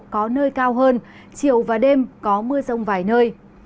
có nơi cao hơn chiều và đêm có mưa rông vài nơi